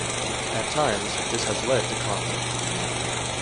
At times, this has led to conflict.